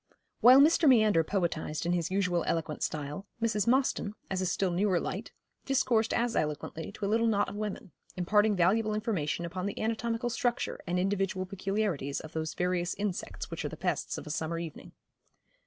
While Mr. Meander poetised in his usual eloquent style, Mrs. Mostyn, as a still newer light, discoursed as eloquently to little a knot of women, imparting valuable information upon the anatomical structure and individual peculiarities of those various insects which are the pests of a summer evening.